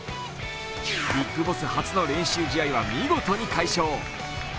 ビッグボス初の練習試合は見事に快勝。